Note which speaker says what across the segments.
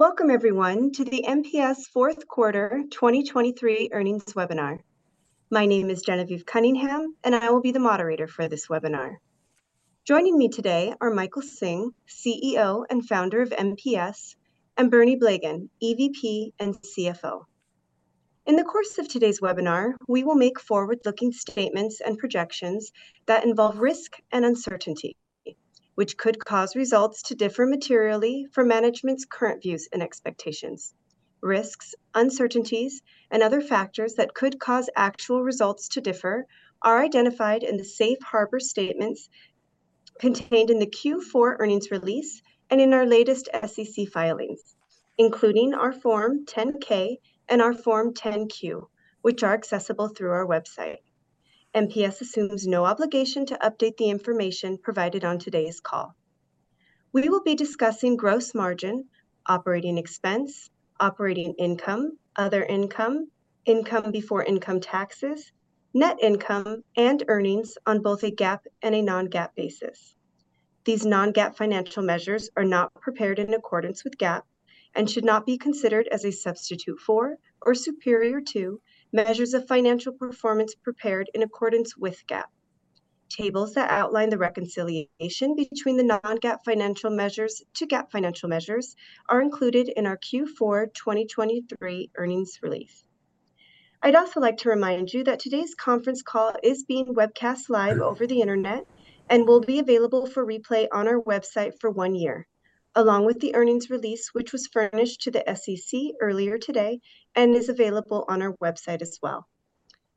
Speaker 1: Welcome everyone to the MPS fourth quarter 2023 earnings webinar. My name is Genevieve Cunningham, and I will be the moderator for this webinar. Joining me today are Michael Hsing, CEO and founder of MPS, and Bernie Blegen, EVP and CFO. In the course of today's webinar, we will make forward-looking statements and projections that involve risk and uncertainty, which could cause results to differ materially from management's current views and expectations. Risks, uncertainties, and other factors that could cause actual results to differ are identified in the safe harbor statements contained in the Q4 earnings release and in our latest SEC filings, including our Form 10-K and our Form 10-Q, which are accessible through our website. MPS assumes no obligation to update the information provided on today's call. We will be discussing gross margin, operating expense, operating income, other income, income before income taxes, net income, and earnings on both a GAAP and a non-GAAP basis. These non-GAAP financial measures are not prepared in accordance with GAAP and should not be considered as a substitute for or superior to measures of financial performance prepared in accordance with GAAP. Tables that outline the reconciliation between the non-GAAP financial measures to GAAP financial measures are included in our Q4 2023 earnings release. I'd also like to remind you that today's conference call is being webcast live over the Internet and will be available for replay on our website for one year, along with the earnings release, which was furnished to the SEC earlier today and is available on our website as well.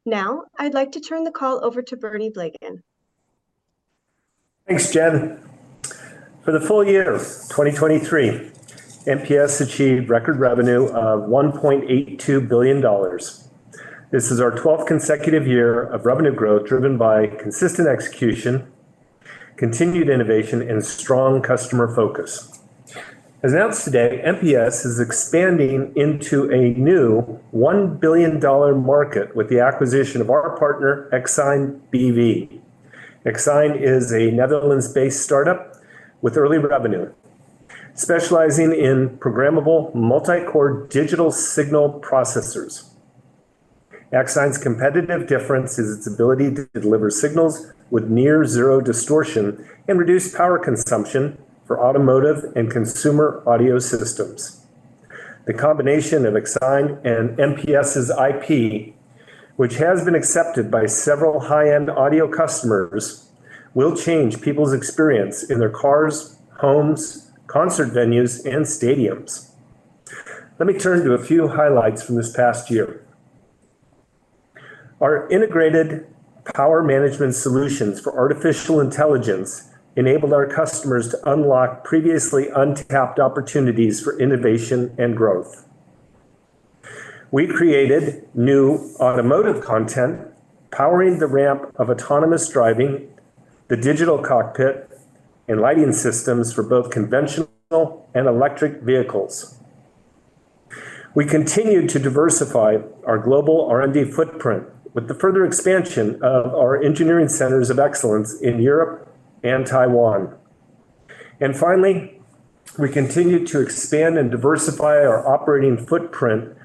Speaker 1: Now, I'd like to turn the call over to Bernie Blegen.
Speaker 2: Thanks, Gen. For the full year of 2023, MPS achieved record revenue of $1.82 billion. This is our twelfth consecutive year of revenue growth, driven by consistent execution, continued innovation, and strong customer focus. As announced today, MPS is expanding into a new $1 billion market with the acquisition of our partner, Axign BV. Axign is a Netherlands-based startup with early revenue, specializing in programmable multi-core digital signal processors. Axign's competitive difference is its ability to deliver signals with near zero distortion and reduced power consumption for automotive and consumer audio systems. The combination of Axign and MPS's IP, which has been accepted by several high-end audio customers, will change people's experience in their cars, homes, concert venues, and stadiums. Let me turn to a few highlights from this past year. Our integrated power management solutions for artificial intelligence enabled our customers to unlock previously untapped opportunities for innovation and growth. We created new automotive content, powering the ramp of autonomous driving, the digital cockpit, and lighting systems for both conventional and electric vehicles. We continued to diversify our global R&D footprint with the further expansion of our engineering centers of excellence in Europe and Taiwan. And finally, we continued to expand and diversify our operating footprint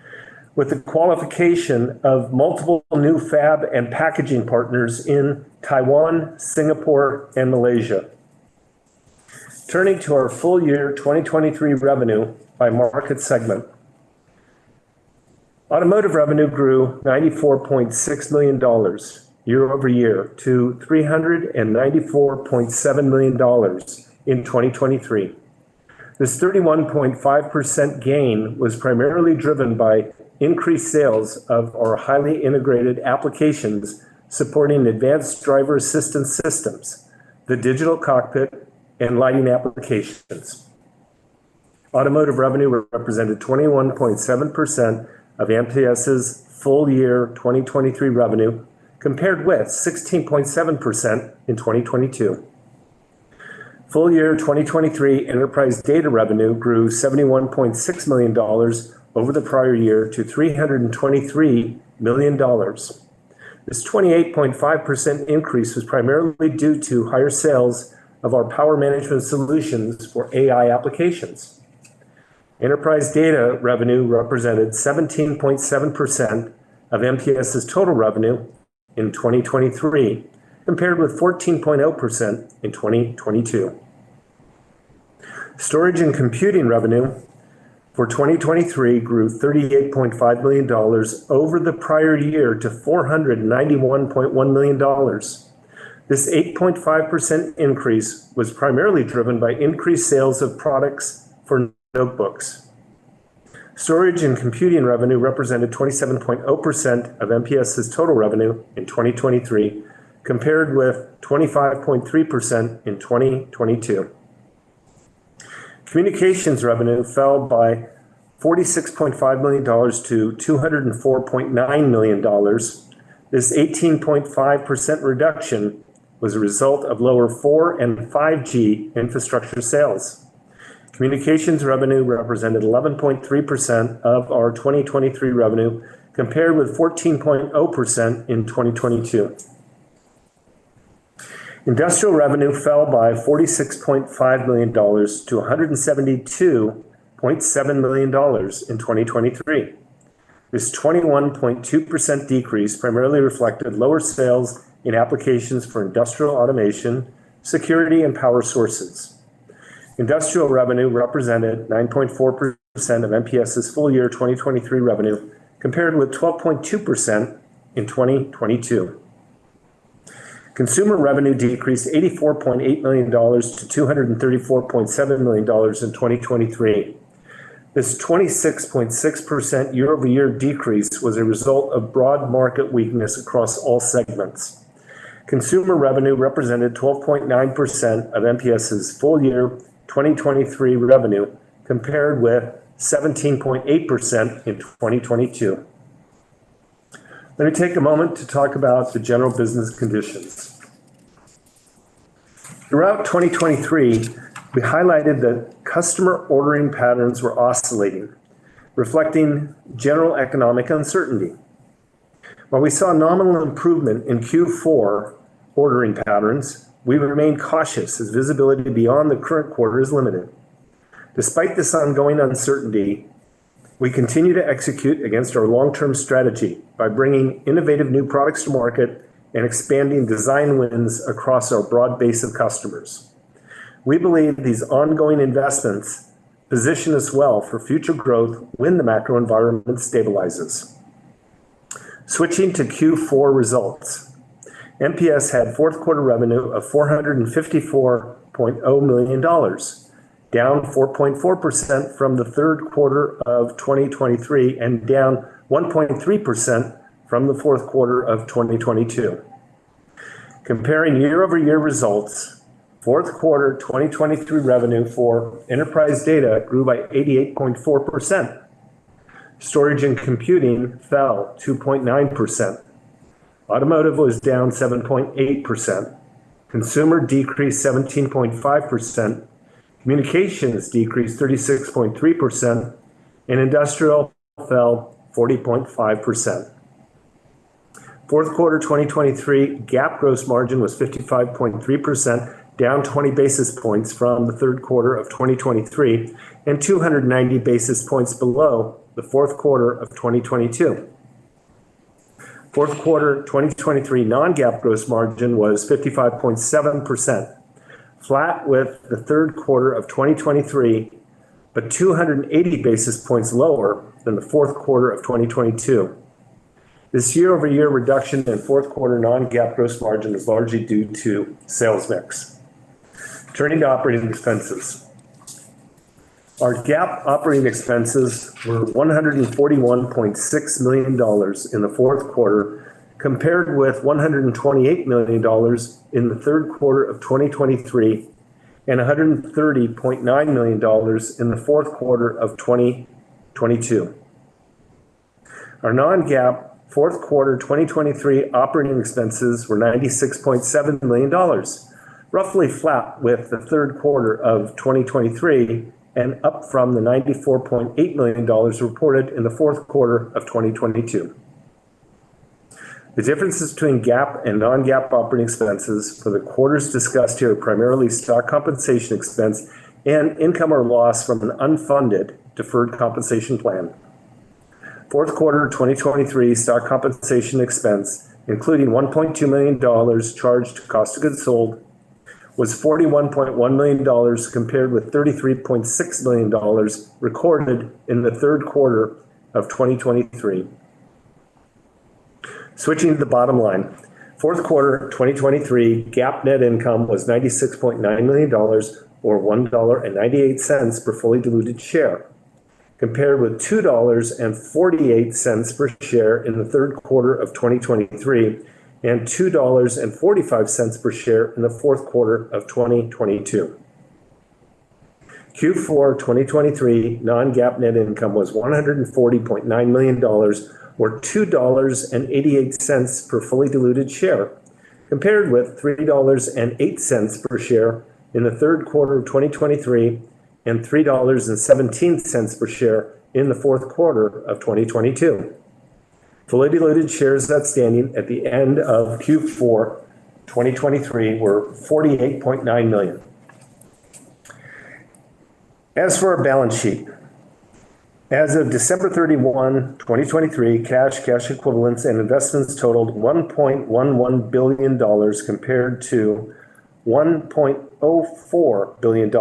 Speaker 2: with the qualification of multiple new fab and packaging partners in Taiwan, Singapore, and Malaysia. Turning to our full year 2023 revenue by market segment. Automotive revenue grew $94.6 million year-over-year to $394.7 million in 2023. This 31.5% gain was primarily driven by increased sales of our highly integrated applications supporting advanced driver assistance systems, the digital cockpit, and lighting applications. Automotive revenue represented 21.7% of MPS's full year 2023 revenue, compared with 16.7% in 2022. Full year 2023 enterprise data revenue grew $71.6 million over the prior year to $323 million. This 28.5% increase was primarily due to higher sales of our power management solutions for AI applications. Enterprise data revenue represented 17.7% of MPS's total revenue in 2023, compared with 14.0% in 2022. Storage and computing revenue for 2023 grew $38.5 million over the prior year to $491.1 million. This 8.5% increase was primarily driven by increased sales of products for notebooks. Storage and computing revenue represented 27.0% of MPS's total revenue in 2023, compared with 25.3% in 2022. Communications revenue fell by $46.5 million to $204.9 million. This 18.5% reduction was a result of lower 4G and 5G infrastructure sales. Communications revenue represented 11.3% of our 2023 revenue, compared with 14.0% in 2022.... Industrial revenue fell by $46.5 million to $172.7 million in 2023. This 21.2% decrease primarily reflected lower sales in applications for industrial automation, security, and power sources. Industrial revenue represented 9.4% of MPS's full year 2023 revenue, compared with 12.2% in 2022. Consumer revenue decreased $84.8 million to $234.7 million in 2023. This 26.6% year-over-year decrease was a result of broad market weakness across all segments. Consumer revenue represented 12.9% of MPS's full year 2023 revenue, compared with 17.8% in 2022. Let me take a moment to talk about the general business conditions. Throughout 2023, we highlighted that customer ordering patterns were oscillating, reflecting general economic uncertainty. While we saw a nominal improvement in Q4 ordering patterns, we remain cautious as visibility beyond the current quarter is limited. Despite this ongoing uncertainty, we continue to execute against our long-term strategy by bringing innovative new products to market and expanding design wins across our broad base of customers. We believe these ongoing investments position us well for future growth when the macro environment stabilizes. Switching to Q4 results, MPS had fourth quarter revenue of $454.0 million, down 4.4% from the third quarter of 2023, and down 1.3% from the fourth quarter of 2022. Comparing year-over-year results, fourth quarter 2023 revenue for enterprise data grew by 88.4%. Storage and computing fell 2.9%. Automotive was down 7.8%. Consumer decreased 17.5%. Communications decreased 36.3%, and industrial fell 40.5%. Fourth quarter 2023 GAAP gross margin was 55.3%, down 20 basis points from the third quarter of 2023, and 290 basis points below the fourth quarter of 2022. Fourth quarter 2023 non-GAAP gross margin was 55.7%, flat with the third quarter of 2023, but 280 basis points lower than the fourth quarter of 2022. This year-over-year reduction in fourth quarter non-GAAP gross margin is largely due to sales mix. Turning to operating expenses. Our GAAP operating expenses were $141.6 million in the fourth quarter, compared with $128 million in the third quarter of 2023, and $130.9 million in the fourth quarter of 2022. Our non-GAAP fourth quarter 2023 operating expenses were $96.7 million, roughly flat with the third quarter of 2023, and up from the $94.8 million reported in the fourth quarter of 2022. The differences between GAAP and non-GAAP operating expenses for the quarters discussed here are primarily stock compensation expense and income or loss from an unfunded deferred compensation plan. Fourth quarter 2023 stock compensation expense, including $1.2 million charged to cost of goods sold, was $41.1 million, compared with $33.6 million recorded in the third quarter of 2023. Switching to the bottom line, fourth quarter 2023 GAAP net income was $96.9 million, or $1.98 per fully diluted share, compared with $2.48 per share in the third quarter of 2023, and $2.45 per share in the fourth quarter of 2022. Q4 2023 non-GAAP net income was $140.9 million, or $2.88 per fully diluted share, compared with $3.08 per share in the third quarter of 2023, and $3.17 per share in the fourth quarter of 2022. Fully diluted shares outstanding at the end of Q4 2023 were 48.9 million. As for our balance sheet, as of December 31, 2023, cash, cash equivalents, and investments totaled $1.11 billion, compared to $1.04 billion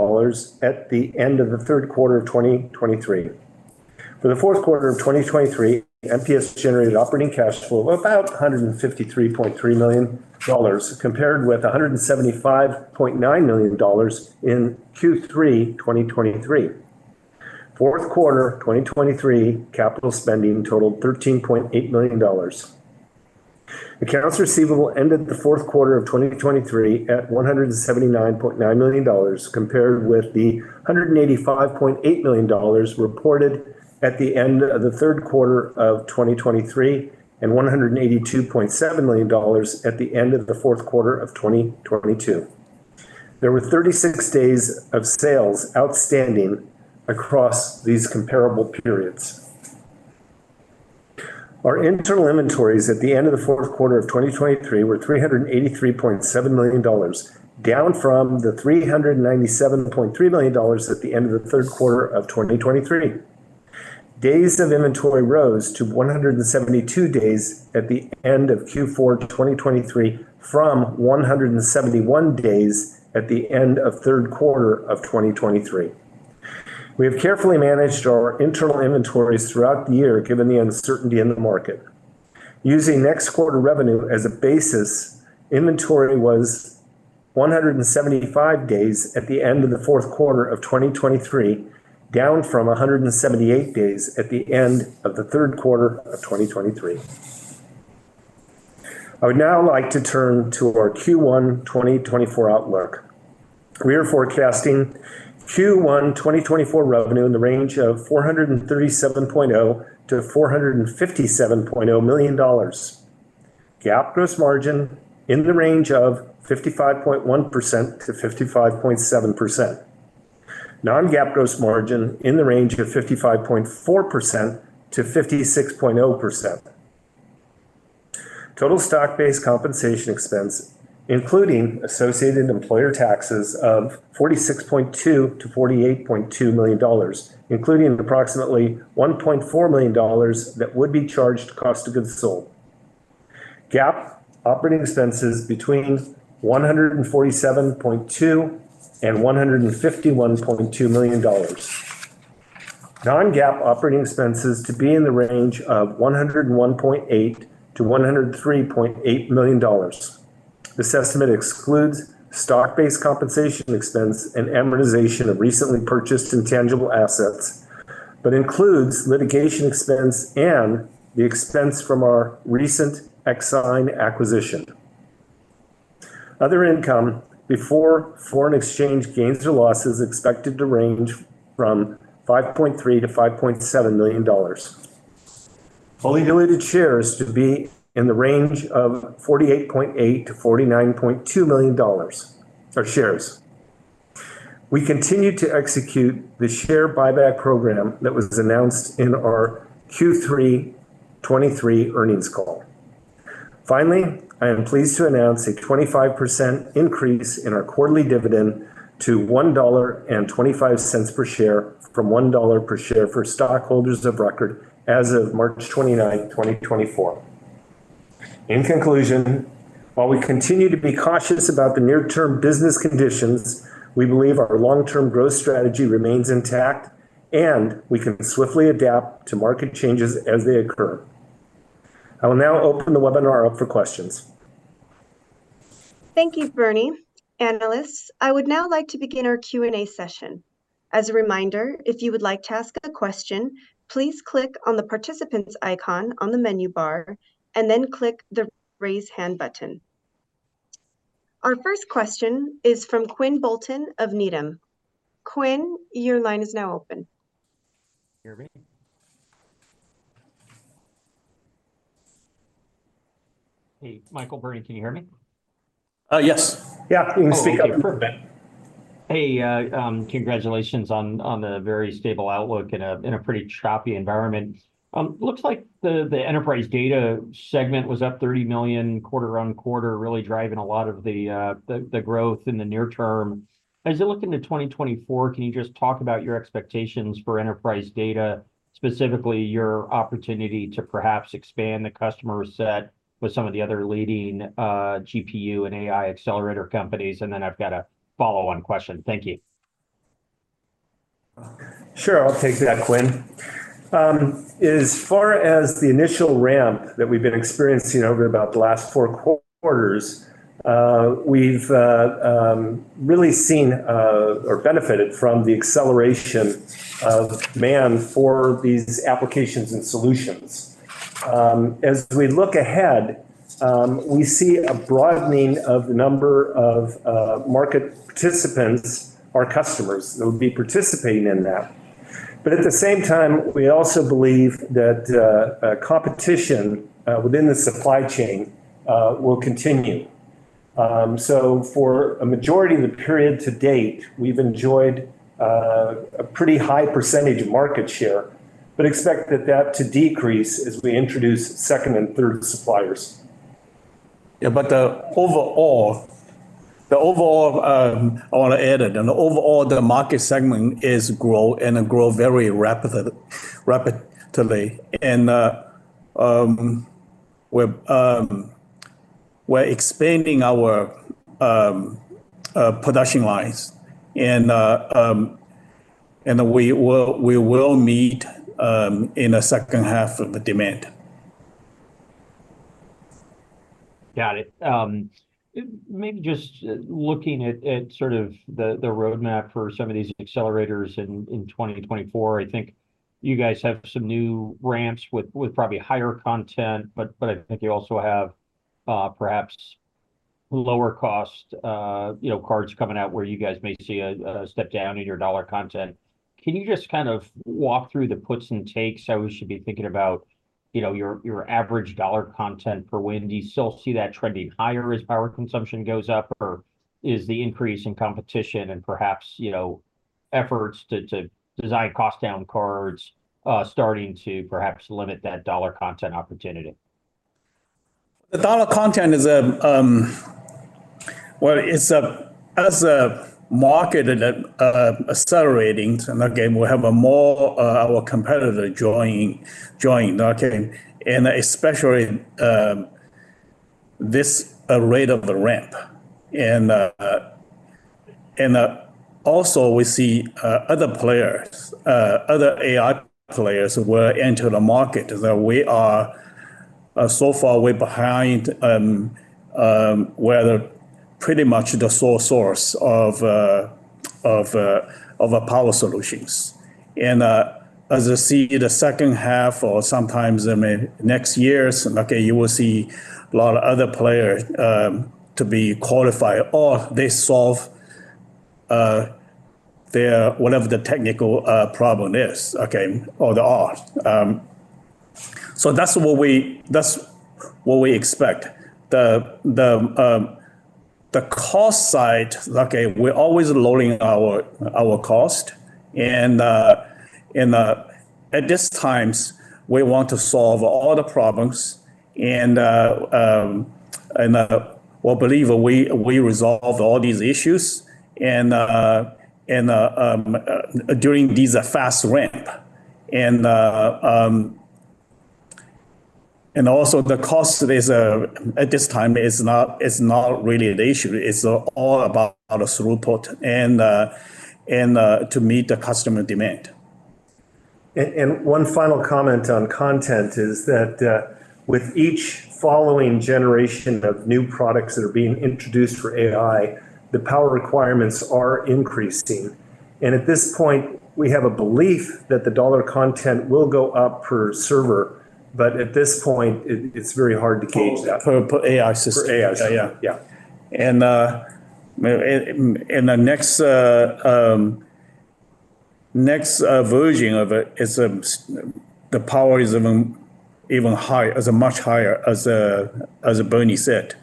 Speaker 2: at the end of the third quarter of 2023. For the fourth quarter of 2023, MPS generated operating cash flow of about $153.3 million, compared with $175.9 million in Q3 2023. Fourth quarter 2023, capital spending totaled $13.8 million. Accounts receivable ended the fourth quarter of 2023 at $179.9 million, compared with the $185.8 million reported at the end of the third quarter of 2023, and $182.7 million at the end of the fourth quarter of 2022. There were 36 days of sales outstanding across these comparable periods.... Our internal inventories at the end of the fourth quarter of 2023 were $383.7 million, down from the $397.3 million at the end of the third quarter of 2023. Days of inventory rose to 172 days at the end of Q4 2023, from 171 days at the end of third quarter of 2023. We have carefully managed our internal inventories throughout the year, given the uncertainty in the market. Using next quarter revenue as a basis, inventory was 175 days at the end of the fourth quarter of 2023, down from 178 days at the end of the third quarter of 2023. I would now like to turn to our Q1 2024 outlook. We are forecasting Q1 2024 revenue in the range of $437.0 million-$457.0 million. GAAP gross margin in the range of 55.1%-55.7%. Non-GAAP gross margin in the range of 55.4%-56.0%. Total stock-based compensation expense, including associated employer taxes of $46.2 million-$48.2 million, including approximately $1.4 million that would be charged to cost of goods sold. GAAP operating expenses between $147.2 million and $151.2 million. Non-GAAP operating expenses to be in the range of $101.8 million-$103.8 million. This estimate excludes stock-based compensation expense and amortization of recently purchased intangible assets, but includes litigation expense and the expense from our recent Axign acquisition. Other income before foreign exchange gains or losses expected to range from $5.3 million-$5.7 million. Fully diluted shares to be in the range of $48.8 million-$49.2 million, of shares. We continue to execute the share buyback program that was announced in our Q3 2023 earnings call. Finally, I am pleased to announce a 25% increase in our quarterly dividend to $1.25 per share from $1 per share for stockholders of record as of March 29, 2024. In conclusion, while we continue to be cautious about the near-term business conditions, we believe our long-term growth strategy remains intact, and we can swiftly adapt to market changes as they occur. I will now open the webinar up for questions.
Speaker 1: Thank you, Bernie. Analysts, I would now like to begin our Q&A session. As a reminder, if you would like to ask a question, please click on the Participants icon on the menu bar and then click the Raise Hand button. Our first question is from Quinn Bolton of Needham. Quinn, your line is now open.
Speaker 3: Can you hear me? Hey, Michael, Bernie, can you hear me?
Speaker 4: Yes.
Speaker 2: Yeah,
Speaker 3: Hey, congratulations on the very stable outlook in a pretty choppy environment. Looks like the enterprise data segment was up $30 million quarter-over-quarter, really driving a lot of the growth in the near term. As you look into 2024, can you just talk about your expectations for enterprise data, specifically your opportunity to perhaps expand the customer set with some of the other leading GPU and AI accelerator companies? And then I've got a follow-on question. Thank you.
Speaker 2: Sure, I'll take that, Quinn. As far as the initial ramp that we've been experiencing over about the last four quarters, we've really seen or benefited from the acceleration of demand for these applications and solutions. As we look ahead, we see a broadening of the number of market participants, our customers, that would be participating in that. But at the same time, we also believe that competition within the supply chain will continue. So for a majority of the period to date, we've enjoyed a pretty high percentage of market share, but expect that that to decrease as we introduce second and third suppliers.
Speaker 4: Yeah, but the overall, I want to add, and overall the market segment is grow, and grow very rapidly, rapidly. And, we're expanding our production lines and, and we will meet in the second half of the demand.
Speaker 3: Got it. Maybe just looking at sort of the roadmap for some of these accelerators in 2024, I think you guys have some new ramps with probably higher content, but I think you also have perhaps lower cost, you know, cards coming out where you guys may see a step down in your dollar content. Can you just kind of walk through the puts and takes, how we should be thinking about, you know, your average dollar content per win? Do you still see that trending higher as power consumption goes up, or is the increase in competition and perhaps efforts to design cost down cards starting to perhaps limit that dollar content opportunity?
Speaker 4: The dollar content is a, well, it's a, as a market and a, accelerating, and again, we have a more, our competitor joining, joining, okay? Especially, this rate of the ramp. Also we see, other players, other AI players will enter the market, that we are, so far we're behind, we're pretty much the sole source of, of power solutions. As I see in the second half or sometimes, I mean, next year, okay, you will see a lot of other players, to be qualified or they solve, their whatever the technical, problem is, okay, or there are. That's what we- that's what we expect. The cost side, okay, we're always lowering our cost, and at this time, we want to solve all the problems, and we believe we resolve all these issues, and during this fast ramp. And also the cost is, at this time, not really an issue. It's all about the throughput and to meet the customer demand.
Speaker 2: One final comment on content is that, with each following generation of new products that are being introduced for AI, the power requirements are increasing. At this point, we have a belief that the dollar content will go up per server, but at this point, it's very hard to gauge that.
Speaker 4: For AI system.
Speaker 2: For AI, yeah.
Speaker 4: Yeah. And the next version of it, it's the power is even higher, is much higher as Bernie said.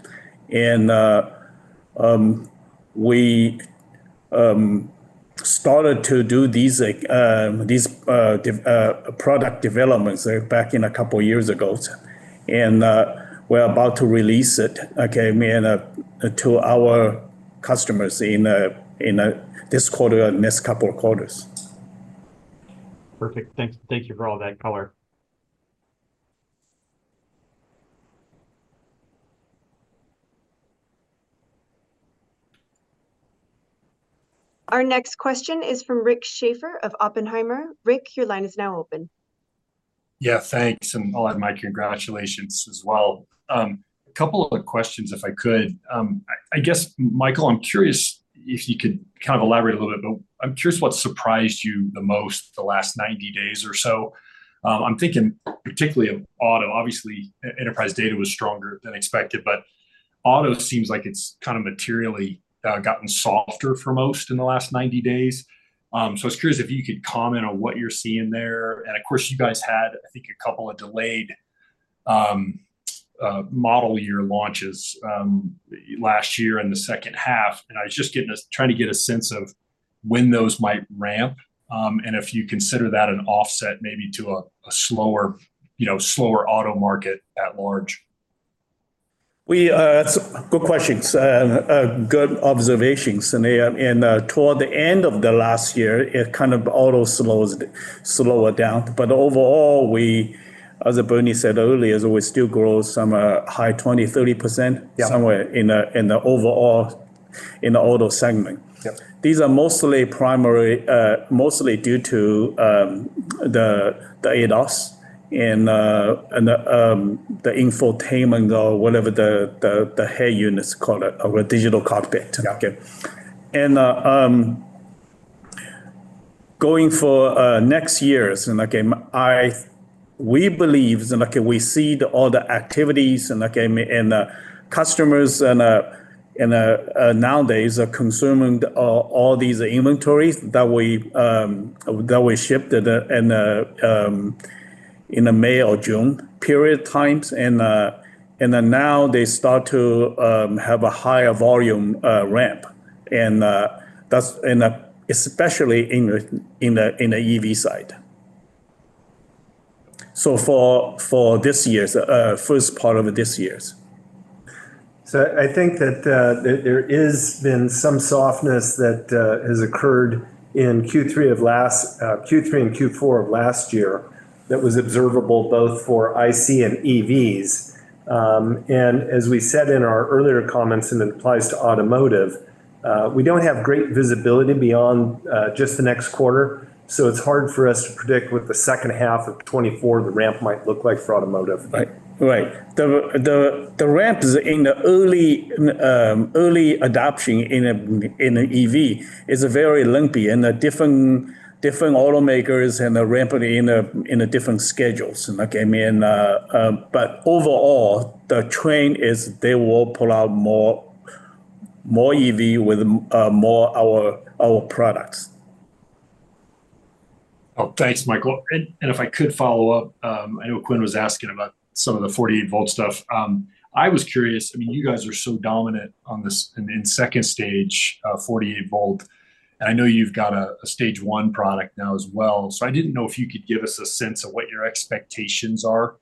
Speaker 4: And we started to do these product developments back in a couple of years ago, and we're about to release it, okay, I mean, to our customers in this quarter or next couple of quarters.
Speaker 3: Perfect. Thank you for all that color.
Speaker 1: Our next question is from Rick Schafer of Oppenheimer. Rick, your line is now open.
Speaker 5: Yeah, thanks, and I'll add my congratulations as well. A couple of questions, if I could. I guess, Michael, I'm curious if you could kind of elaborate a little bit, but I'm curious what surprised you the most the last 90 days or so? I'm thinking particularly of auto. Obviously, enterprise data was stronger than expected, but auto seems like it's kind of materially gotten softer for most in the last 90 days. So I was curious if you could comment on what you're seeing there. Of course, you guys had, I think, a couple of delayed model year launches last year in the second half, and I was just trying to get a sense of when those might ramp, and if you consider that an offset maybe to a slower, you know, slower auto market at large?
Speaker 4: Good question. It's a good observation, and toward the end of the last year, it kind of auto slows, slower down. But overall, we, as Bernie said earlier, we still grow some high 20%-30%.
Speaker 2: Yeah...
Speaker 4: somewhere in the, in the overall, in the auto segment.
Speaker 2: Yep.
Speaker 4: These are mostly primary, mostly due to the ADAS and the infotainment or whatever the head unit is called, our digital cockpit.
Speaker 2: Yeah.
Speaker 4: Going for next years, and again, we believe, and we see all the activities, and customers nowadays are consuming all these inventories that we shipped in the May or June period times, and then now they start to have a higher volume ramp, and that's especially in the EV side. So for this year's first part of this years.
Speaker 2: So I think that there has been some softness that has occurred in Q3 and Q4 of last year, that was observable both for IC and EVs. And as we said in our earlier comments, and it applies to automotive, we don't have great visibility beyond just the next quarter, so it's hard for us to predict what the second half of 2024, the ramp might look like for automotive.
Speaker 4: Right. Right. The ramp is in the early adoption in an EV is very limited, and the different automakers and the ramp in a different schedules, okay? I mean, but overall, the trend is they will pull out more EV with more our products....
Speaker 5: Oh, thanks, Michael. And if I could follow up, I know Quinn was asking about some of the 48-volt stuff. I was curious, I mean, you guys are so dominant on this and in second stage 48-volt, and I know you've got a stage one product now as well. So I didn't know if you could give us a sense of what your expectations are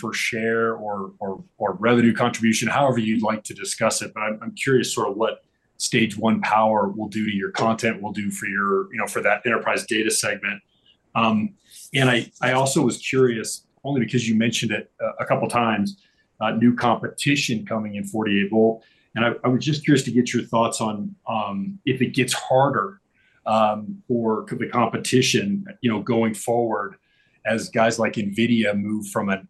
Speaker 5: for share or revenue contribution, however you'd like to discuss it. But I'm curious sort of what stage one power will do to your content, will do for your, you know, for that enterprise data segment. And I also was curious, only because you mentioned it, a couple times, new competition coming in 48-volt, and I was just curious to get your thoughts on, if it gets harder, or could the competition, you know, going forward as guys like NVIDIA move from a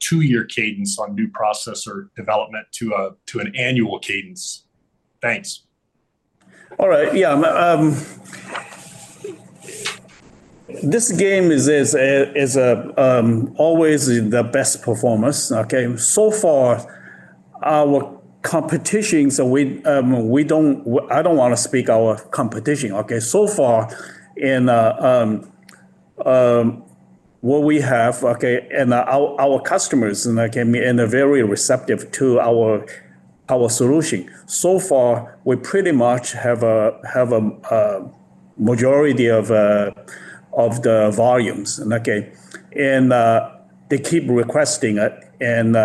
Speaker 5: two-year cadence on new processor development to an annual cadence? Thanks.
Speaker 4: All right. Yeah, this game is always the best performance, okay? So far, our competition, so we don't—I don't want to speak our competition, okay? So far in what we have, okay, and our customers, and again, and they're very receptive to our solution. So far, we pretty much have a majority of the volumes, okay? And they keep requesting it, and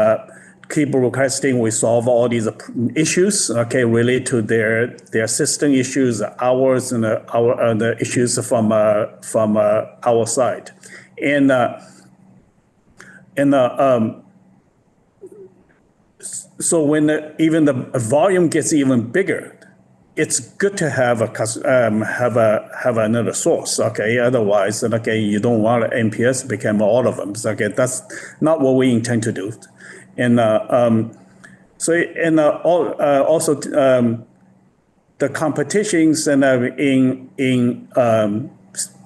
Speaker 4: keep requesting we solve all these ap- issues, okay, related to their system issues, ours, and our the issues from our side. And so when the even the volume gets even bigger, it's good to have a have another source, okay? Otherwise, then again, you don't want MPS become all of them. So again, that's not what we intend to do. And, so and, all, also, the competitions in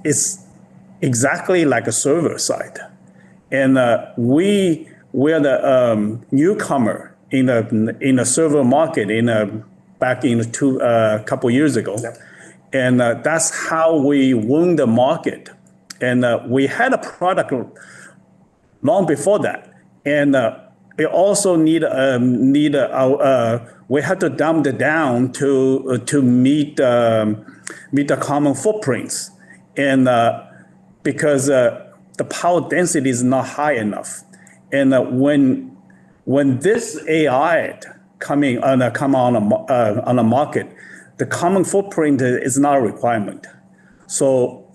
Speaker 4: is exactly like a server side. And, we're the newcomer in a server market, back in two couple of years ago.
Speaker 2: Yep.
Speaker 4: That's how we won the market. We had a product long before that, and we also had to dumb it down to meet the common footprints because the power density is not high enough. When this AI came on the market, the common footprint is not a requirement. So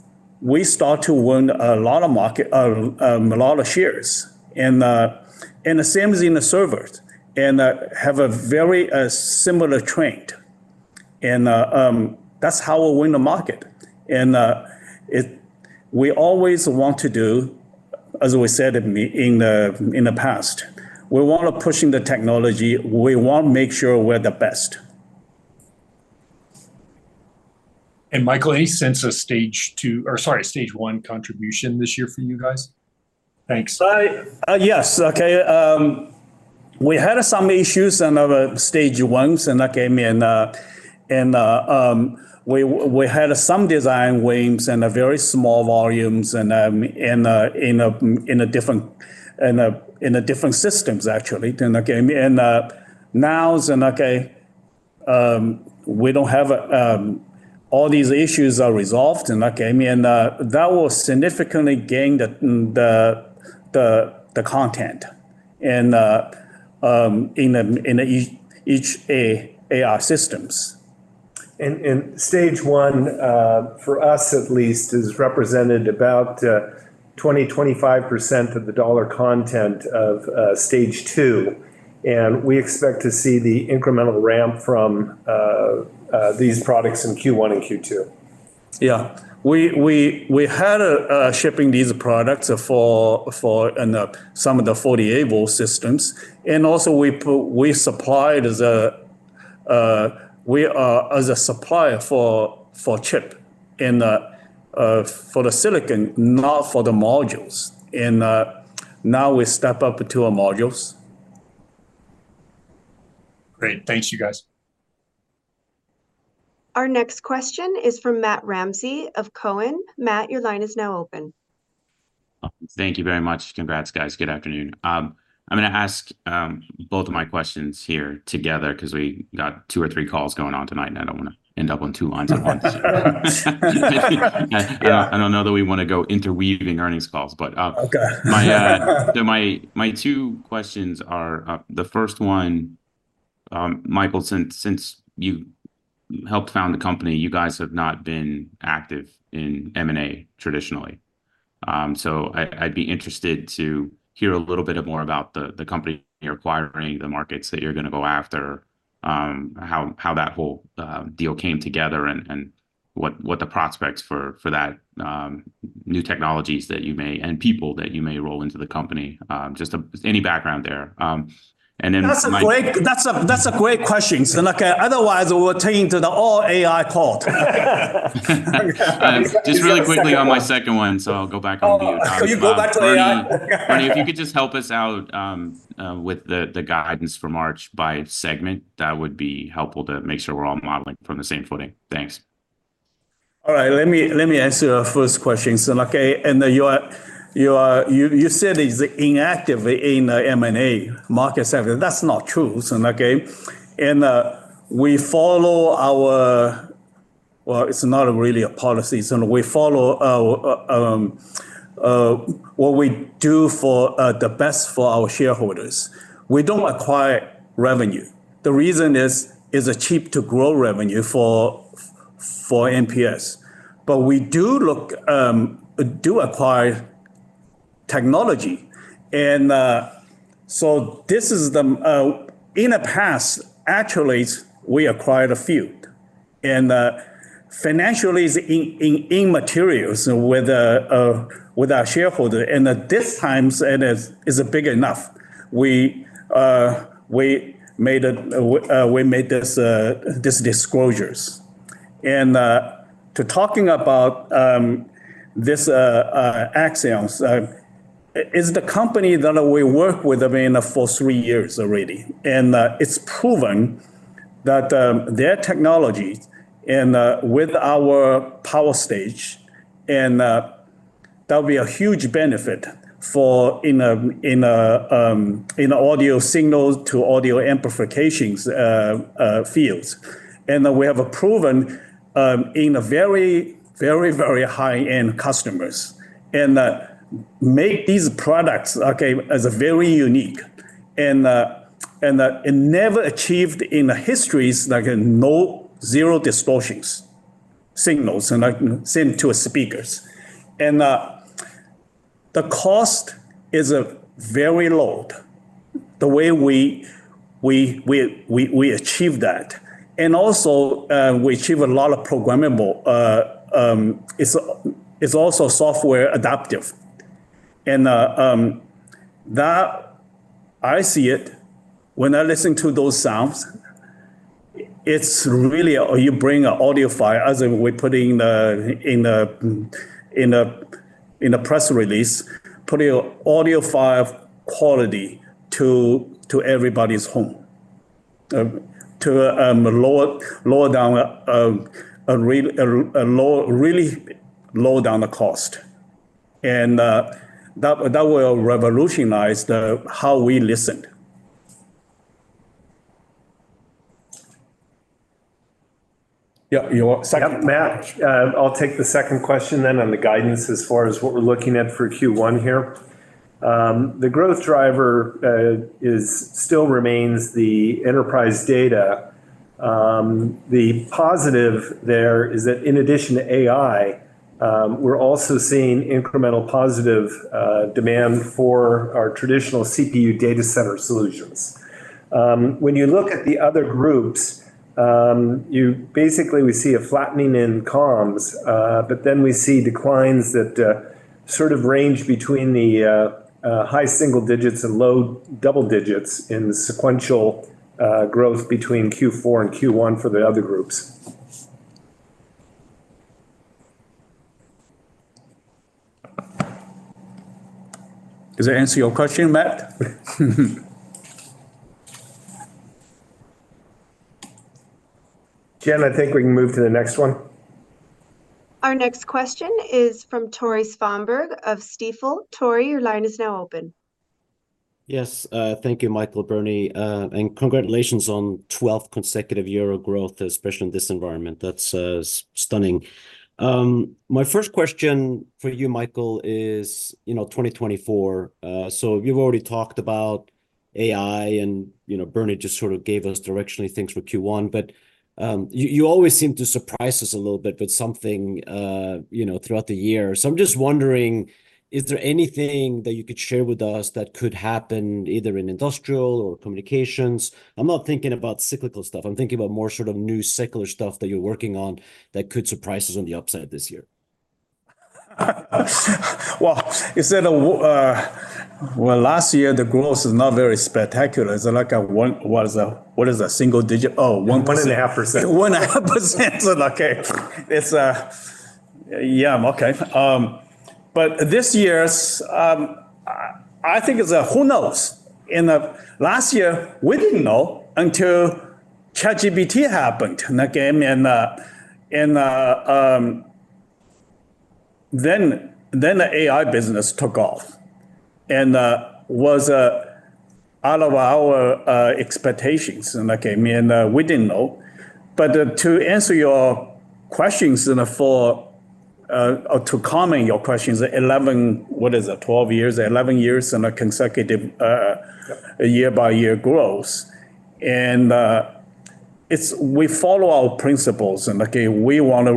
Speaker 4: we start to win a lot of market, a lot of shares, and the same as in the servers, and have a very similar trend. That's how we win the market. We always want to do as we said in the past, we want to pushing the technology, we want to make sure we're the best.
Speaker 5: Michael, any sense of stage two, or sorry, stage one contribution this year for you guys? Thanks.
Speaker 4: Yes. Okay, we had some issues in our stage ones, and that came in, and we had some design wins and very small volumes, and in different systems actually, and again. Now, okay, we don't have all these issues are resolved, and, like I mean, that will significantly gain the content and in each AI systems.
Speaker 2: Stage one, for us at least, is represented about 20%-25% of the dollar content of Stage Two, and we expect to see the incremental ramp from these products in Q1 and Q2.
Speaker 4: Yeah. We had shipping these products for and some of the 48-volt systems, and also we supplied as a supplier for chip and for the silicon, not for the modules. And now we step up to our modules.
Speaker 5: Great. Thank you, guys.
Speaker 1: Our next question is from Matt Ramsay of Cowen. Matt, your line is now open.
Speaker 6: Thank you very much. Congrats, guys. Good afternoon. I'm gonna ask both of my questions here together, 'cause we got two or three calls going on tonight, and I don't want to end up on two lines at once. I, I don't know that we want to go interweaving earnings calls, but,
Speaker 4: Okay....
Speaker 6: My two questions are, the first one, Michael, since you helped found the company, you guys have not been active in M&A traditionally. So I'd be interested to hear a little bit more about the company you're acquiring, the markets that you're going to go after, how that whole deal came together and what the prospects for that new technologies that you may, and people that you may roll into the company. Just any background there. And then-
Speaker 4: That's a great question. So like, otherwise, we'll attend to the overall AI part.
Speaker 6: Just really quickly on my second one, so I'll go back on mute.
Speaker 4: Oh, you go back to AI?
Speaker 6: Bernie, if you could just help us out, with the guidance for March by segment, that would be helpful to make sure we're all modeling from the same footing. Thanks....
Speaker 4: All right, let me answer your first question. So, okay, and you said is inactive in the M&A market sector. That's not true. So, okay, and we follow our-- Well, it's not really a policy, so we follow our what we do for the best for our shareholders. We don't acquire revenue. The reason is, it's cheap to grow revenue for MPS. But we do look do acquire technology, and so this is the in the past, actually, we acquired a few. And financially is in materials with our shareholder, and at this times, and is big enough. We made this these disclosures. Talking about this Axign is the company that we work with, I mean, for three years already. It's proven that their technology and with our power stage and that would be a huge benefit in audio signals to audio amplifications fields. We have proven in very high-end customers and make these products, okay, as very unique. It never achieved in the histories, like, no zero distortions signals, and, like, sent to speakers. The cost is very low. The way we achieve that, and also, we achieve a lot of programmable. It's also software adaptive. That I see it when I listen to those sounds. It's really you bring an audiophile, as we put in a press release, putting an audiophile quality to everybody's home to lower down a real low, really low down the cost, and that will revolutionize how we listen. Yeah, you want second-
Speaker 2: Yeah, Matt, I'll take the second question then, on the guidance as far as what we're looking at for Q1 here. The growth driver is still remains the enterprise data. The positive there is that in addition to AI, we're also seeing incremental positive demand for our traditional CPU data center solutions. When you look at the other groups, you basically, we see a flattening in comms, but then we see declines that sort of range between the high single digits and low double digits in the sequential growth between Q4 and Q1 for the other groups.
Speaker 4: Does that answer your question, Matt?
Speaker 2: Gen, I think we can move to the next one.
Speaker 1: Our next question is from Tore Svanberg of Stifel. Tore, your line is now open.
Speaker 7: Yes, thank you, Michael, Bernie, and congratulations on twelfth consecutive year of growth, especially in this environment. That's stunning. My first question for you, Michael, is, you know, 2024, so you've already talked about AI, and, you know, Bernie just sort of gave us directionally things for Q1, but, you always seem to surprise us a little bit with something, you know, throughout the year. So I'm just wondering, is there anything that you could share with us that could happen either in industrial or communications? I'm not thinking about cyclical stuff. I'm thinking about more sort of new secular stuff that you're working on that could surprise us on the upside this year.
Speaker 4: Well, you said, well, last year the growth is not very spectacular. Is it like a one, what is a single digit? Oh, one-
Speaker 2: 1.5%.
Speaker 4: 1.5%. Okay. It's... Yeah, okay. But this year's, I think it's—who knows? Last year, we didn't know until ChatGPT happened, okay, and then the AI business took off and was out of our expectations, okay, and we didn't know. But to answer your questions or to comment on your questions, 11—what is it? 12 years, 11 years in a consecutive...
Speaker 2: Yeah...
Speaker 4: year by year growth. And, it's—we follow our principles, and okay, we want to,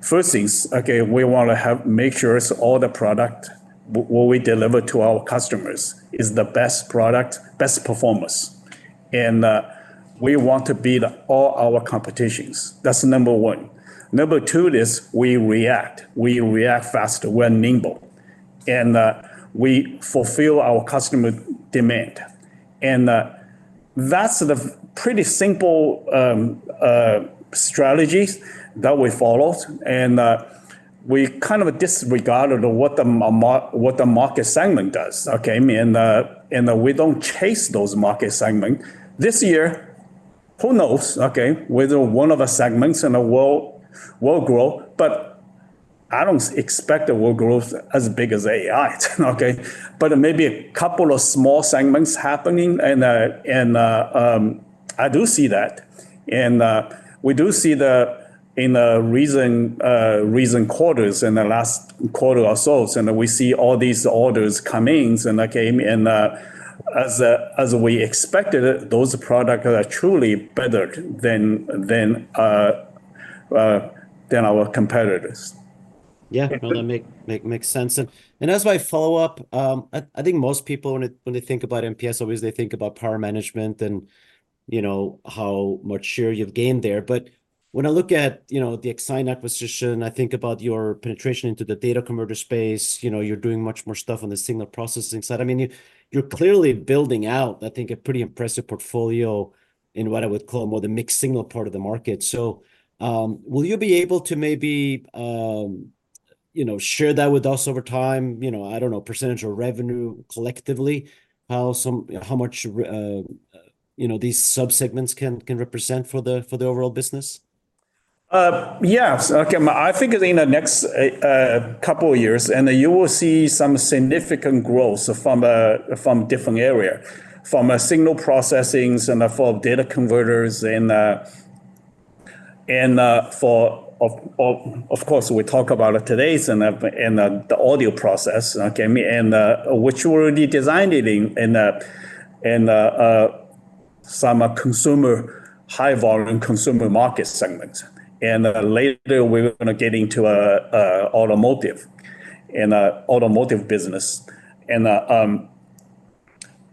Speaker 4: first things, okay, we want to have, make sure it's all the product, what we deliver to our customers is the best product, best performance. And, we want to beat all our competitions. That's number one. Number two is we react. We react faster, we're nimble, and, we fulfill our customer demand. And, that's the pretty simple, strategies that we followed, and—we kind of disregarded what the market segment does, okay? And, and we don't chase those market segment. This year, who knows, okay, whether one of the segments in the world will grow, but I don't expect it will grow as big as AI, okay? But maybe a couple of small segments happening, and I do see that. We do see in the recent quarters, in the last quarter or so, and we see all these orders come in, okay, as we expected it, those products are truly better than our competitors.
Speaker 7: Yeah, well, that makes sense. And as my follow-up, I think most people when they think about MPS, obviously they think about power management and, you know, how much share you've gained there. But when I look at, you know, the Axign acquisition, I think about your penetration into the data converter space. You know, you're doing much more stuff on the signal processing side. I mean, you're clearly building out, I think, a pretty impressive portfolio in what I would call more the mixed signal part of the market. So, will you be able to maybe, you know, share that with us over time? You know, I don't know, percentage of revenue collectively, how much, you know, these subsegments can represent for the overall business?
Speaker 4: Yes. Okay, I think in the next couple of years, you will see some significant growth from different area. From signal processing and data converters and, of course, we talk about it today and the audio process, okay? And which we already designed it in some consumer, high-volume consumer market segment. And later we're gonna get into automotive and automotive business. And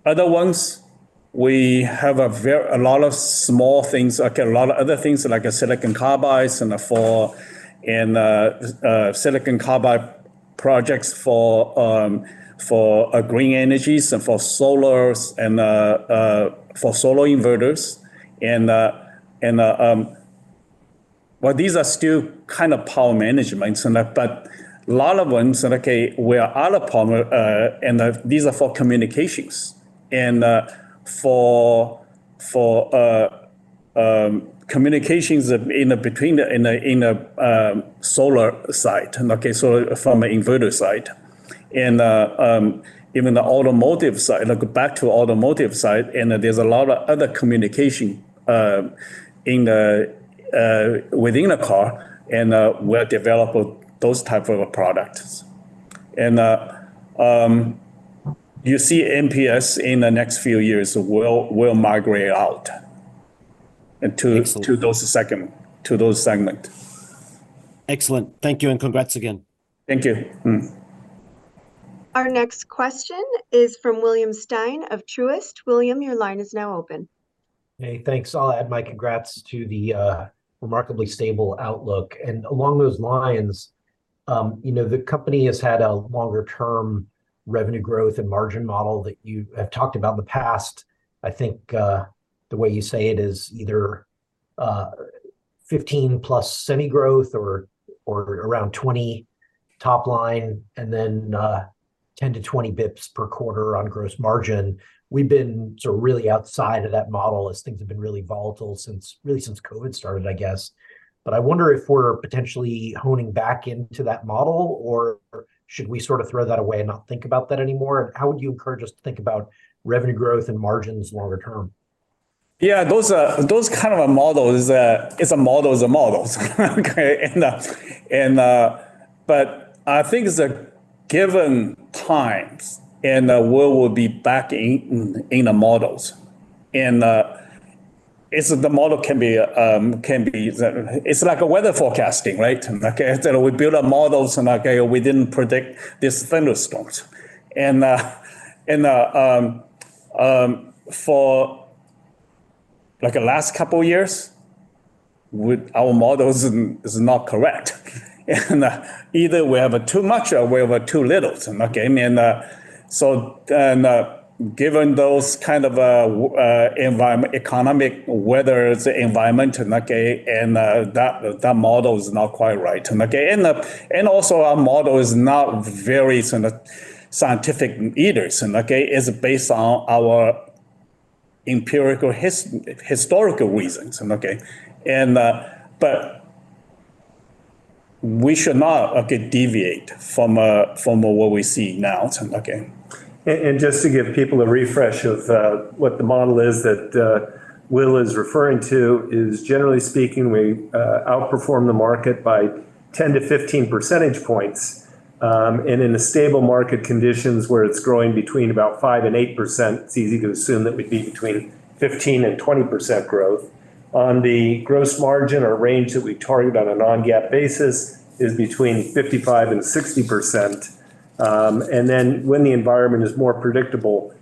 Speaker 4: other ones, we have a lot of small things, okay, a lot of other things like silicon carbide and silicon carbide projects for green energy and for solar and for solar inverters. And... Well, these are still kind of power management and so on, but a lot of them. So okay, we are other power, and these are for communications. For communications in between, in a solar site, okay, so from an inverter site. Even the automotive side. Look back to automotive side, and there's a lot of other communication within a car, and we're developing those type of products. You see, MPS in the next few years will migrate out into-
Speaker 7: Excellent...
Speaker 4: to those second, to those segment.
Speaker 7: Excellent. Thank you, and congrats again.
Speaker 4: Thank you.
Speaker 1: Our next question is from William Stein of Truist. William, your line is now open.
Speaker 8: Hey, thanks. I'll add my congrats to the remarkably stable outlook. And along those lines, you know, the company has had a longer term revenue growth and margin model that you have talked about in the past. I think the way you say it is either 15+ semi growth or around 20 top line, and then 10-20 basis points per quarter on gross margin. We've been sort of really outside of that model as things have been really volatile since really since COVID started, I guess. But I wonder if we're potentially honing back into that model, or should we sort of throw that away and not think about that anymore? And how would you encourage us to think about revenue growth and margins longer term?
Speaker 4: Yeah, those kind of models, okay? But I think in the given times, we will be back in the models. And the model can be... It's like a weather forecasting, right? Okay, so we build up models, and okay, we didn't predict this thunderstorm. And for like the last couple of years, with our models is not correct. And either we have too much or we have too little, okay? And so given those kind of environment, economic, weather environment, okay, and that model is not quite right. And okay, and also our model is not very sort of scientific either. So okay, it's based on our empirical historical reasons, okay? But we should not, okay, deviate from what we see now, okay.
Speaker 2: Just to give people a refresh of what the model is that Will is referring to, is generally speaking, we outperform the market by 10-15 percentage points. In a stable market conditions where it's growing between about 5% and 8%, it's easy to assume that we'd be between 15% and 20% growth. On the gross margin or range that we target on a non-GAAP basis is between 55% and 60%. And then when the environment is more predictable,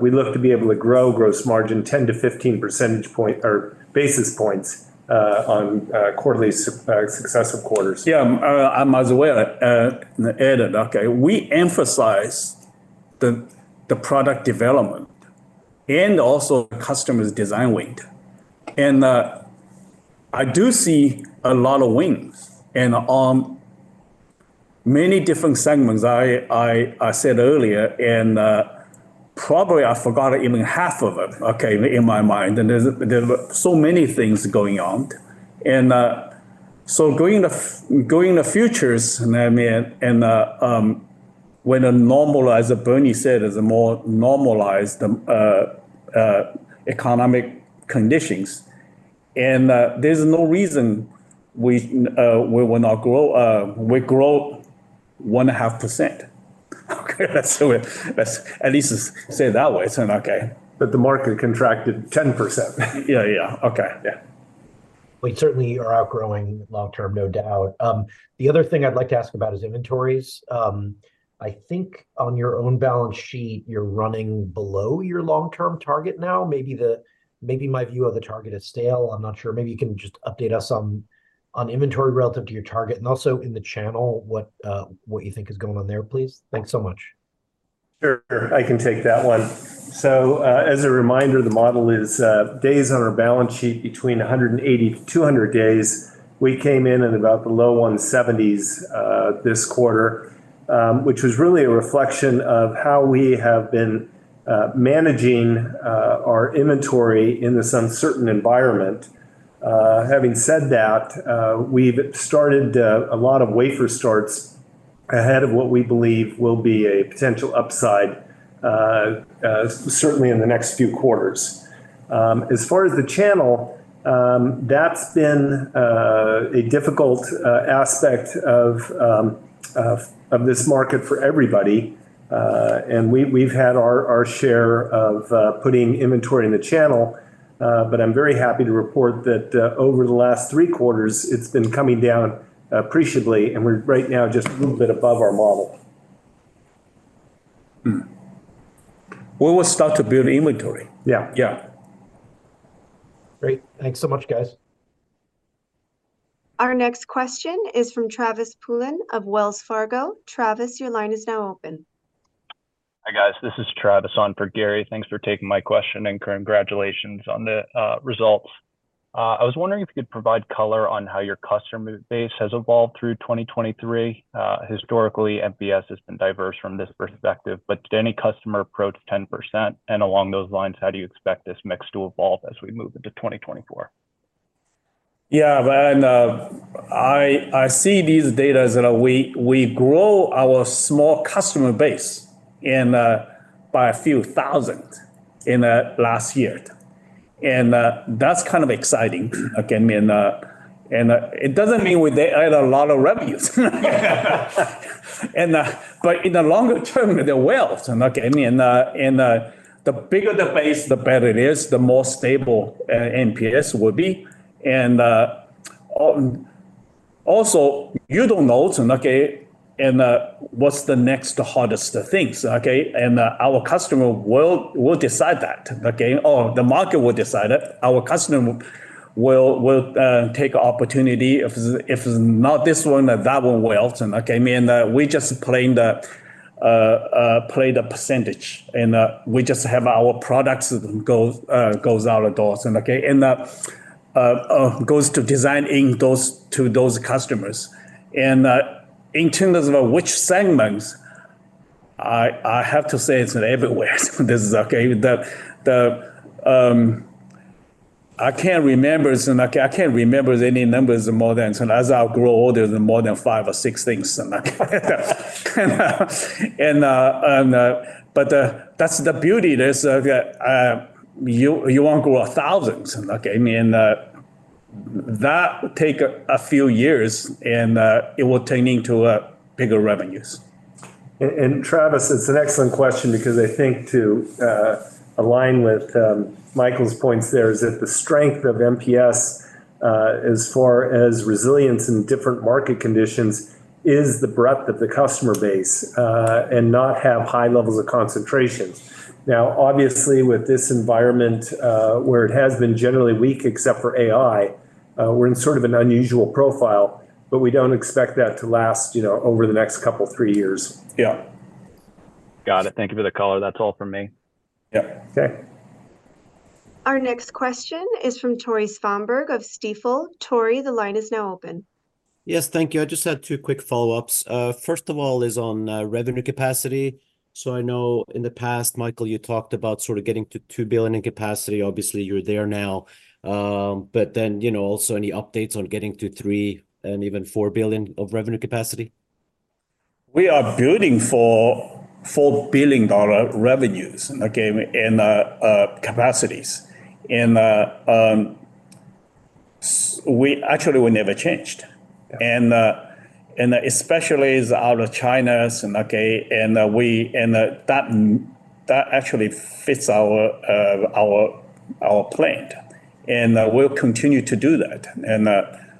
Speaker 2: we look to be able to grow gross margin 10-15 percentage point or basis points on quarterly successive quarters.
Speaker 4: Yeah, I might as well add it, okay. We emphasize the product development and also customer's design wins. And I do see a lot of wins, and many different segments. I said earlier, and probably I forgot even half of it, okay, in my mind, and there were so many things going on. And so going forward, and I mean, when it's normalized, as Bernie said, as more normalized economic conditions, and there's no reason we will not grow, we grow 1.5%. Okay, let's do it. Let's at least say it that way, so okay.
Speaker 2: But the market contracted 10%.
Speaker 4: Yeah, yeah. Okay.
Speaker 2: Yeah.
Speaker 8: We certainly are outgrowing long term, no doubt. The other thing I'd like to ask about is inventories. I think on your own balance sheet, you're running below your long-term target now. Maybe my view of the target is stale. I'm not sure. Maybe you can just update us on inventory relative to your target, and also in the channel, what you think is going on there, please. Thanks so much.
Speaker 2: Sure, I can take that one. So, as a reminder, the model is days on our balance sheet between 180-200 days. We came in at about the low 170s this quarter, which was really a reflection of how we have been managing our inventory in this uncertain environment. Having said that, we've started a lot of wafer starts ahead of what we believe will be a potential upside, certainly in the next few quarters. As far as the channel, that's been a difficult aspect of this market for everybody. We've had our share of putting inventory in the channel, but I'm very happy to report that over the last three quarters, it's been coming down appreciably, and we're right now just a little bit above our model.
Speaker 4: Mm. We will start to build inventory.
Speaker 2: Yeah, yeah.
Speaker 8: Great. Thanks so much, guys.
Speaker 1: Our next question is from Travis Poulin of Wells Fargo. Travis, your line is now open.
Speaker 9: Hi, guys. This is Travis on for Gary. Thanks for taking my question, and congratulations on the results. I was wondering if you could provide color on how your customer base has evolved through 2023. Historically, MPS has been diverse from this perspective, but did any customer approach 10%? And along those lines, how do you expect this mix to evolve as we move into 2024?
Speaker 4: Yeah, and I see these data as we grow our small customer base and by a few thousand in the last year. And that's kind of exciting. Again, I mean, and it doesn't mean we add a lot of revenues. And but in the longer term, they're wealth, okay? I mean, and the bigger the base, the better it is, the more stable MPS will be. And also, you don't know, okay, and what's the next hardest things, okay? And our customer will decide that, okay, or the market will decide it. Our customer will take opportunity, if not this one, that one will. Okay, I mean, we just playing the percentage, and we just have our products goes out the doors, and okay, and goes to designing those to those customers. And in terms of which segments, I have to say it's everywhere. This is okay. I can't remember any numbers more than, so as I grow older than more than five or six things than that. And but that's the beauty is you won't go thousands, okay? I mean, that take a few years, and it will turning to bigger revenues.
Speaker 2: Travis, it's an excellent question because I think to align with Michael's points there, is that the strength of MPS, as far as resilience in different market conditions, is the breadth of the customer base, and not have high levels of concentration. Now, obviously, with this environment, where it has been generally weak, except for AI, we're in sort of an unusual profile, but we don't expect that to last, you know, over the next couple, three years.
Speaker 4: Yeah.
Speaker 9: Got it. Thank you for the call. That's all from me.
Speaker 2: Yeah. Okay.
Speaker 1: Our next question is from Tore Svanberg of Stifel. Tore, the line is now open.
Speaker 7: Yes, thank you. I just had two quick follow-ups. First of all, is on revenue capacity. So I know in the past, Michael, you talked about sort of getting to $2 billion in capacity. Obviously, you're there now, but then, you know, also any updates on getting to $3 billion and even $4 billion of revenue capacity?
Speaker 4: We are building for $4 billion revenues, okay, in the capacities. We actually never changed. Especially out of China, okay, that actually fits our plan. We'll continue to do that.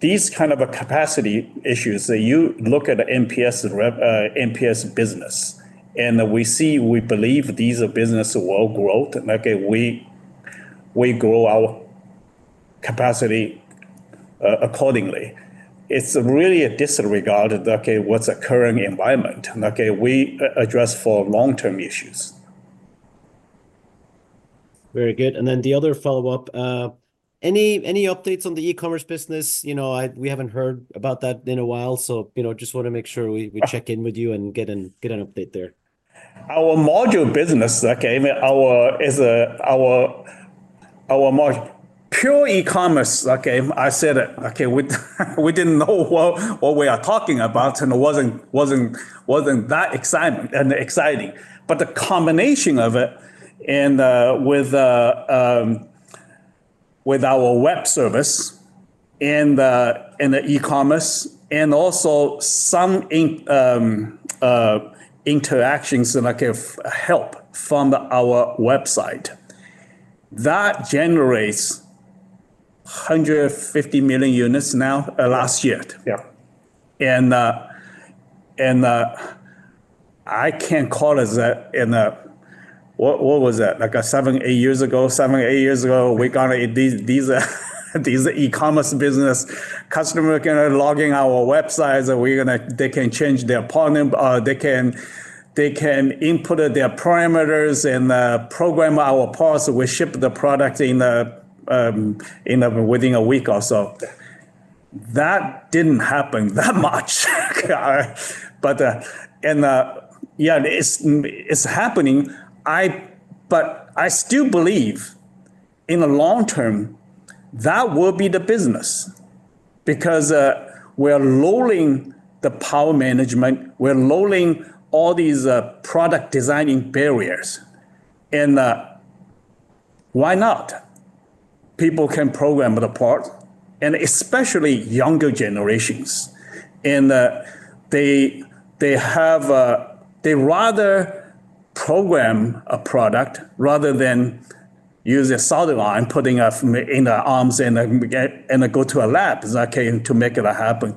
Speaker 4: These kind of capacity issues, you look at MPS, MPS business, and we see, we believe these are business world growth, okay, we grow our capacity accordingly. It's really a disregard of what's occurring environment. Okay, we address for long-term issues.
Speaker 7: Very good. And then the other follow-up, any updates on the e-commerce business? You know, we haven't heard about that in a while, so, you know, just wanna make sure we, we check in with you and get an update there.
Speaker 4: Our module business, okay, I mean, pure e-commerce, okay, I said it. Okay, we didn't know what we are talking about, and it wasn't that exciting. But the combination of it and with our web service and the e-commerce and also some interactions, and like if help from our website, that generates 150 million units now, last year.
Speaker 2: Yeah.
Speaker 4: I can't call it that in a... What, what was that? Like, seven, eight years ago, seven, eight years ago, we got these, these, these e-commerce business, customer can log in our websites, and we're gonna- they can change their part num- they can, they can input their parameters and, program our parts, and we ship the product in, in, within a week or so. That didn't happen that much. But, and, yeah, it's, it's happening. I- but I still believe in the long term, that will be the business because, we're lowering the power management, we're lowering all these, product designing barriers. And, why not? People can program the part, and especially younger generations, they rather program a product rather than use a solid line, putting in their arms and get and go to a lab, because I came to make it happen.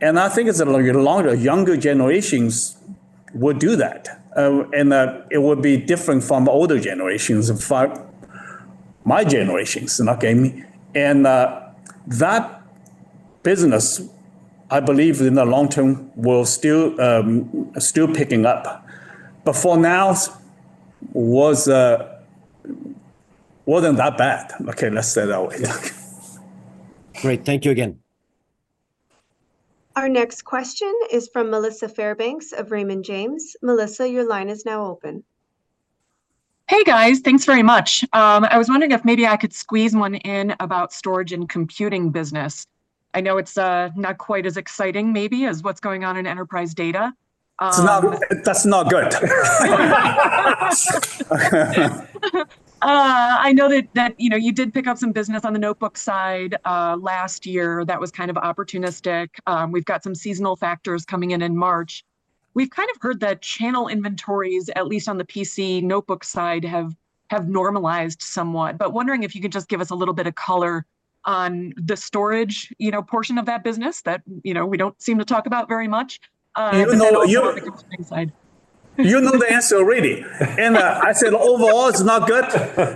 Speaker 4: I think it's a little longer. Younger generations would do that, and it would be different from older generations, in fact, my generation, okay? That business, I believe in the long term, will still picking up. But for now, wasn't that bad. Okay, let's say that way.
Speaker 7: Great. Thank you again.
Speaker 1: Our next question is from Melissa Fairbanks of Raymond James. Melissa, your line is now open.
Speaker 10: Hey, guys. Thanks very much. I was wondering if maybe I could squeeze one in about storage and computing business. I know it's not quite as exciting maybe as what's going on in enterprise data.
Speaker 4: It's not, that's not good.
Speaker 10: I know that you know, you did pick up some business on the notebook side last year. That was kind of opportunistic. We've got some seasonal factors coming in in March. We've kind of heard that channel inventories, at least on the PC notebook side, have normalized somewhat, but wondering if you could just give us a little bit of color on the storage, you know, portion of that business that, you know, we don't seem to talk about very much.
Speaker 4: You know, you-
Speaker 10: On the computing side.
Speaker 4: You know the answer already. I said, overall, it's not good.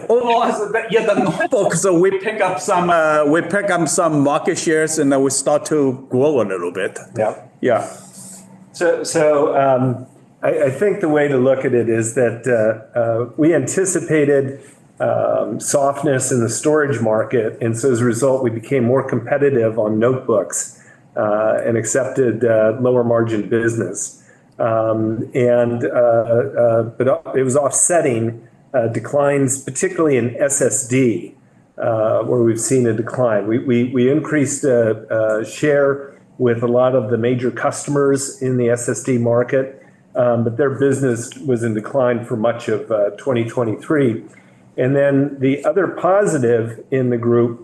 Speaker 4: Overall, it's, yeah, the notebook, so we pick up some, we pick up some market shares, and then we start to grow a little bit.
Speaker 2: Yeah.
Speaker 4: Yeah.
Speaker 2: So, I think the way to look at it is that we anticipated softness in the storage market, and so as a result, we became more competitive on notebooks and accepted lower margin business. But it was offsetting declines, particularly in SSD, where we've seen a decline. We increased share with a lot of the major customers in the SSD market, but their business was in decline for much of 2023. And then the other positive in the group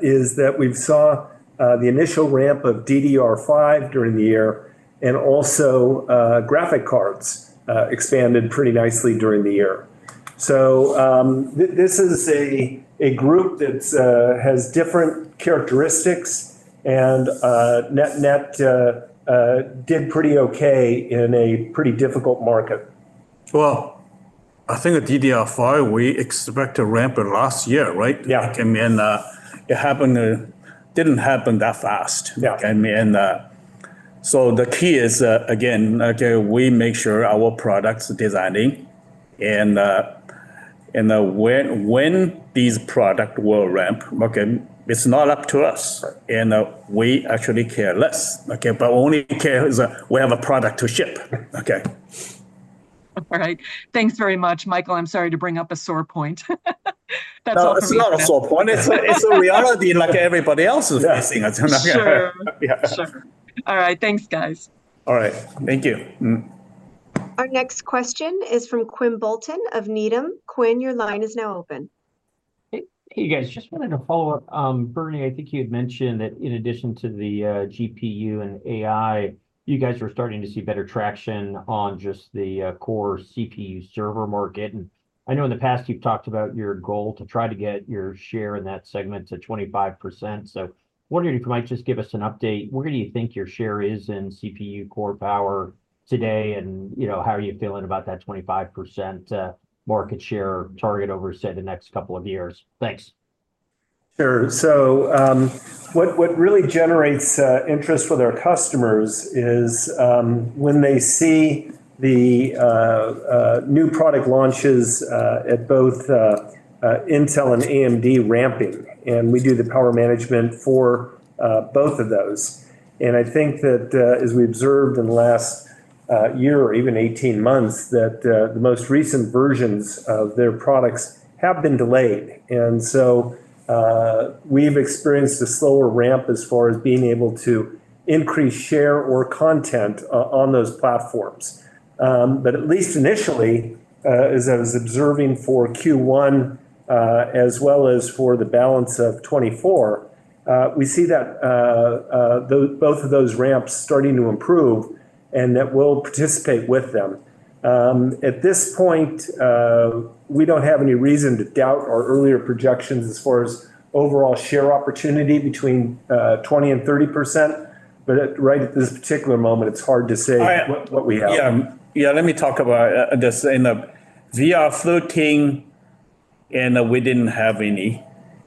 Speaker 2: is that we've saw the initial ramp of DDR5 during the year, and also graphic cards expanded pretty nicely during the year. So, this is a group that has different characteristics, and net-net did pretty okay in a pretty difficult market.
Speaker 4: Well, I think the DDR5, we expect to ramp it last year, right?
Speaker 2: Yeah.
Speaker 4: And it happened, didn't happen that fast.
Speaker 2: Yeah.
Speaker 4: So the key is, again, okay, we make sure our product's designing, and when these product will ramp, okay, it's not up to us-
Speaker 2: Right...
Speaker 4: and, we actually care less. Okay? But we only care is, we have a product to ship. Okay.
Speaker 10: All right. Thanks very much. Michael, I'm sorry to bring up a sore point. That's all for me.
Speaker 4: No, it's not a sore point. It's a reality like everybody else is facing.
Speaker 2: Yeah.
Speaker 10: Sure.
Speaker 4: Yeah.
Speaker 10: Sure. All right. Thanks, guys.
Speaker 4: All right. Thank you.
Speaker 1: Our next question is from Quinn Bolton of Needham. Quinn, your line is now open.
Speaker 3: Hey, hey, guys, just wanted to follow up. Bernie, I think you had mentioned that in addition to the GPU and AI, you guys are starting to see better traction on just the core CPU server market. I know in the past you've talked about your goal to try to get your share in that segment to 25%. Wondering if you might just give us an update, where do you think your share is in CPU core power today, and, you know, how are you feeling about that 25% market share target over, say, the next couple of years? Thanks....
Speaker 2: Sure. So, what really generates interest for their customers is when they see the new product launches at both Intel and AMD ramping, and we do the power management for both of those. And I think that, as we observed in the last year or even 18 months, that the most recent versions of their products have been delayed. And so, we've experienced a slower ramp as far as being able to increase share or content on those platforms. But at least initially, as I was observing for Q1, as well as for the balance of 2024, we see that both of those ramps starting to improve, and that we'll participate with them. At this point, we don't have any reason to doubt our earlier projections as far as overall share opportunity between 20% and 30%, but right at this particular moment, it's hard to say what we have.
Speaker 4: Yeah, yeah, let me talk about, this. In the VR13, and we didn't have any.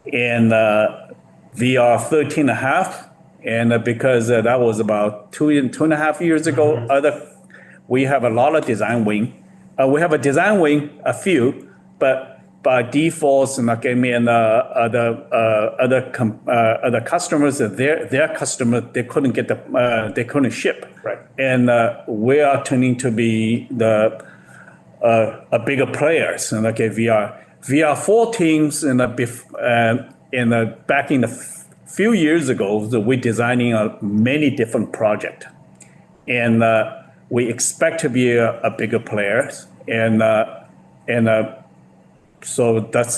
Speaker 4: In the VR13.5, and because, that was about two and 2.5 years ago- We have a lot of design win. We have a design win, a few, but by default, and I gave me and other customers, their customer, they couldn't get the. They couldn't ship.
Speaker 2: Right.
Speaker 4: We are turning to be a bigger player, and okay, VR14. In the past few years ago, that we're designing many different projects. We expect to be a bigger player, and so that's,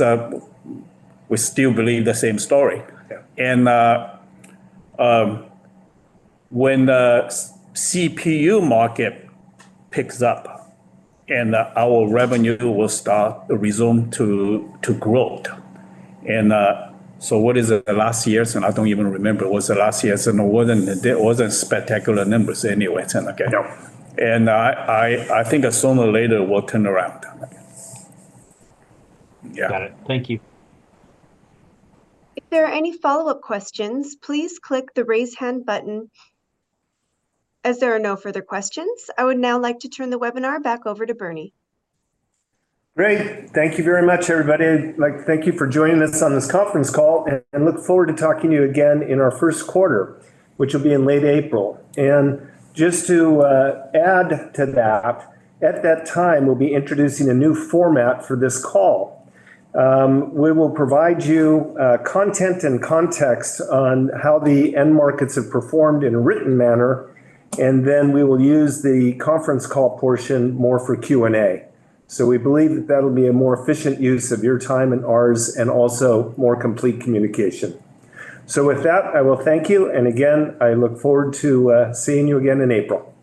Speaker 4: we still believe the same story.
Speaker 2: Yeah.
Speaker 4: When the CPU market picks up, our revenue will start to resume to growth, so what is it? The last years, and I don't even remember, was the last years, and it wasn't spectacular numbers anyway, 10 again.
Speaker 2: No.
Speaker 4: I think sooner or later we'll turn around. Yeah.
Speaker 3: Got it. Thank you.
Speaker 1: If there are any follow-up questions, please click the Raise Hand button. As there are no further questions, I would now like to turn the webinar back over to Bernie.
Speaker 2: Great. Thank you very much, everybody. I'd like to thank you for joining us on this conference call, and look forward to talking to you again in our first quarter, which will be in late April. And just to add to that, at that time, we'll be introducing a new format for this call. We will provide you content and context on how the end markets have performed in a written manner, and then we will use the conference call portion more for Q&A. So we believe that that'll be a more efficient use of your time and ours, and also more complete communication. So with that, I will thank you, and again, I look forward to seeing you again in April.